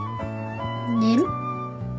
寝る？